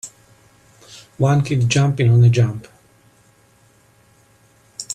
One kid jumping on a jump